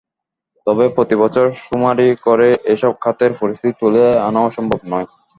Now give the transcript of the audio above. তবে প্রতিবছর শুমারি করে এসব খাতের পরিস্থিতি তুলে আনাও সম্ভব নয়।